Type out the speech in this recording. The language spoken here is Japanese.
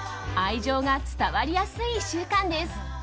愛情が伝わりやすい１週間です。